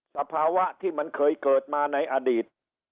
สภาวะที่มันเคยเกิดมาในอดีต